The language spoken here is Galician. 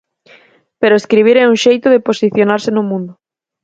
Pero escribir é un xeito de posicionarse no mundo.